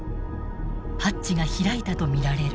ハッチが開いたと見られる。